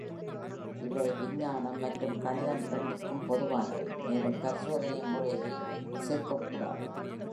இவை விஞ்ஞானம் மற்றும் கணிதம் இரண்டிற்கும் பொதுவானவை, மேலும் பரிசோதனை முறையை சேர்க்கக்கூடாது.